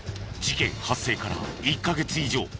事件発生から１カ月以上。